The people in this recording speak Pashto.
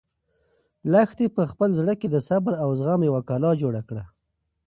لښتې په خپل زړه کې د صبر او زغم یوه کلا جوړه کړه.